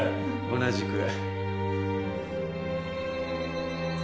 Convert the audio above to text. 同じく。